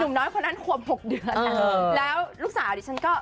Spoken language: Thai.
คุณน้อยคนอ่านห่วง๖เดือนแล้วลูกสาวเด็กฉันก็